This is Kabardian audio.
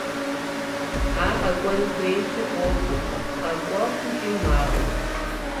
Ар къэкӏуэн хуейщи, къокӏуэ, къэкӏуэхукӏи – магъ.